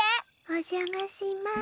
おじゃまします。